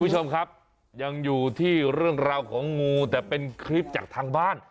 คุณผู้ชมครับยังอยู่ที่เรื่องราวของงูแต่เป็นคลิปจากทางบ้าน